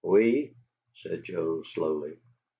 "We?" asked Joe, slowly.